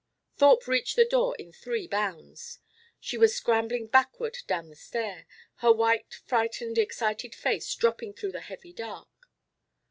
Thorpe reached the door in three bounds. She was scrambling backward down the stair, her white frightened excited face dropping through the heavy dark.